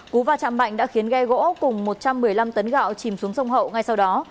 cú va chạm mạnh đã khiến ghe gỗ cùng một trăm một mươi năm tấn gạo chìm xuống sông hậu ngay sau đó